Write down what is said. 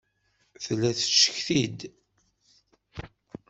Tella tettcetki-d.